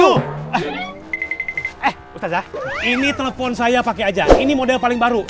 eh ustadz ah ini telepon saya pake aja ini model paling baru